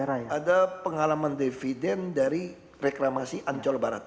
ada pengalaman dividen dari reklamasi ancol barat